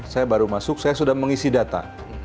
saya baru masuk saya sudah mengisi data